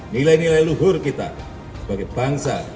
nilai nilai luhur kita sebagai bangsa